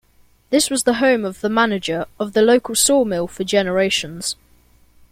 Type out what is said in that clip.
This was the home of the manager of the local sawmill for generations.